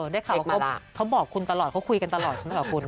ได้ข่าวเขาบอกคุณตลอดเขาคุยกันตลอดใช่ไหมคะคุณ